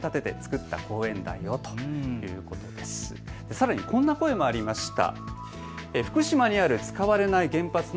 さらにこんな声もありました。